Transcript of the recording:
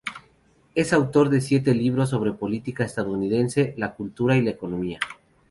Es autor de siete libros sobre la política estadounidense, la cultura y la economía.